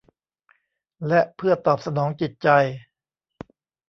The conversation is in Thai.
และเพื่อตอบสนองจิตใจ